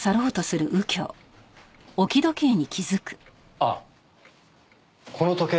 あっこの時計